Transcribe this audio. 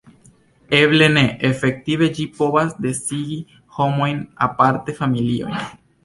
Eble ne: efektive ĝi povas disigi homojn, aparte familiojn.